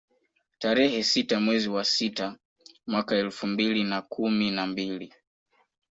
Tarehe sita mwezi wa sita mwaka elfu mbili na kumi na mbili